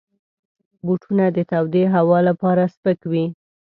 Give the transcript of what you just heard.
بوټونه د تودې هوا لپاره سپک وي.